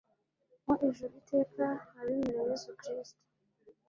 mu ijuru iteka; abemera yezu kristu